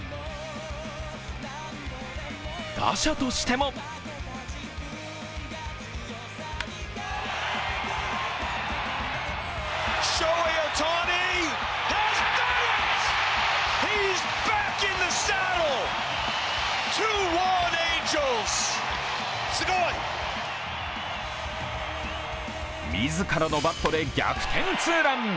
打者としても自らのバットで逆転ツーラン。